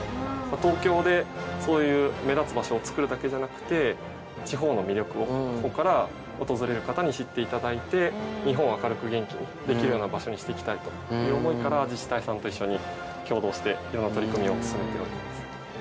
東京でそういう目立つ場所を作るだけじゃなくて地方の魅力をここから訪れる方に知っていただいて日本を明るく元気にできるような場所にしていきたいという思いから自治体さんと一緒に共同していろんな取り組みを進めております。